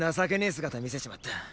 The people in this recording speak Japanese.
姿見せちまった。